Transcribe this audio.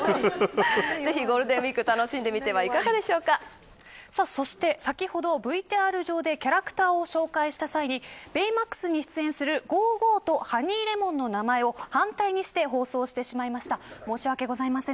ぜひゴールデンウイーク楽しんでみてはそして先ほど、ＶＴＲ上でキャラクターを紹介した際にベイマックスに出演するゴー・ゴーとハニー・レモンの名前を反対にして放送してしまいました。